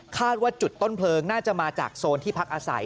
ว่าจุดต้นเพลิงน่าจะมาจากโซนที่พักอาศัย